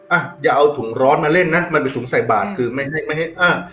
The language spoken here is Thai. อ่ะอย่าเอาถุงร้อนมาเล่นนะมันเป็นถุงใส่บาทคือไม่ให้ไม่ให้อ้าง